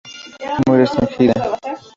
Muy restringida.